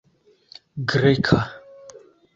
greka